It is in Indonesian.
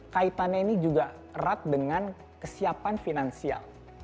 kaitannya ini juga erat dengan kesiapan finansial